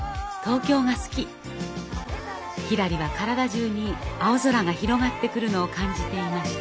ひらりは体中に青空が広がってくるのを感じていました。